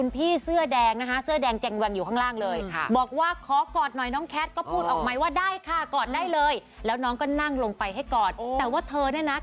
นี่คือน้องพยายามหันเหลี่ยงข้างออกแล้วนะ